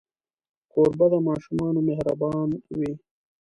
کوربه د ماشومانو مهربان وي.